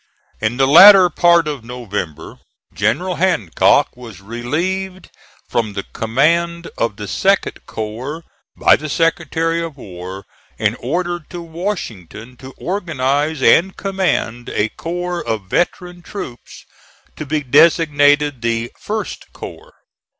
In the latter part of November General Hancock was relieved from the command of the 2d corps by the Secretary of War and ordered to Washington, to organize and command a corps of veteran troops to be designated the 1st corps.